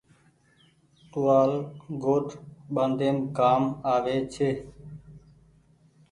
ٽووآل ڳوڏ ٻآڍيم ڪآم آوي ڇي۔